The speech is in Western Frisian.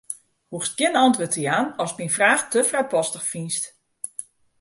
Hoechst gjin antwurd te jaan ast myn fraach te frijpostich fynst.